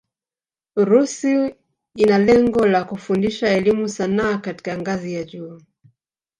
Urusi ina lengo la kufundisha elimu sanaa katika ngazi ya juu